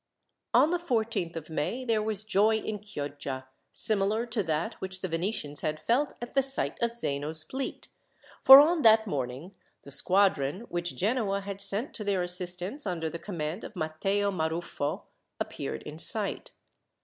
On the 14th of May there was joy in Chioggia, similar to that which the Venetians had felt at the sight of Zeno's fleet, for on that morning the squadron, which Genoa had sent to their assistance under the command of Matteo Maruffo, appeared in sight.